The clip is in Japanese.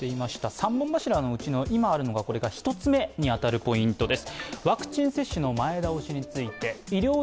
３本柱のうちの、今あるのが１つ目のポイントです。